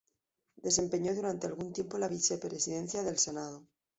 Desempeñó durante algún tiempo la vicepresidencia del Senado.